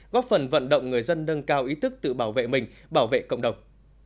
góp phần vận động người dân nâng cao ý thức tự bảo vệ mình bảo vệ cộng đồng